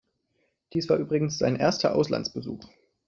Dies war übrigens sein erster Auslandsbesuch.